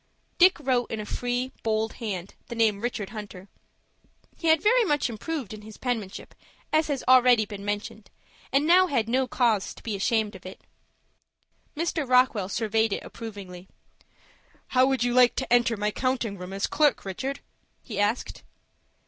Dick wrote in a free, bold hand, the name Richard Hunter. He had very much improved in his penmanship, as has already been mentioned, and now had no cause to be ashamed of it. Mr. Rockwell surveyed it approvingly. "How would you like to enter my counting room as clerk, Richard?" he asked.